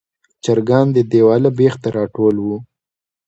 چرګان د دیواله بیخ ته راټول ول.